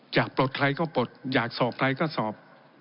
ปลดใครก็ปลดอยากสอบใครก็สอบ